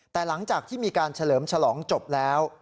แต่หลังจากที่มีการเฉลิมฉลองจบแล้ว